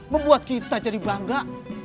membuat kita jadi bangga